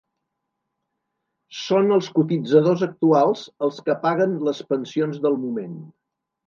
Són els cotitzadors actuals els que paguen les pensions del moment.